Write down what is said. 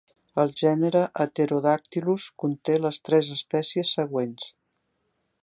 El gènere "Heterodactylus" conté les tres espècies següents.